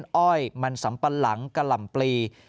อ้อยมันสำปะหลังกะหล่ำปลี